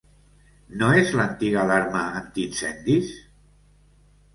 ¿No és l'antiga alarma antiincendis?